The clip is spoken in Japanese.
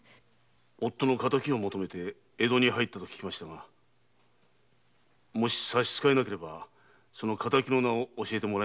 夫の敵を求めて江戸に入ったと聞きましたがもし差し支えなければその敵の名を教えてもらえませんか？